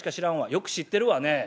「よく知ってるわね。